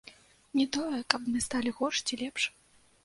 Не тое, каб мы сталі горш ці лепш.